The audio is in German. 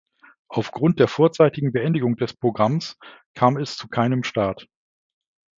Auf Grund der vorzeitigen Beendigung der Programmes kam es zu keinem Start.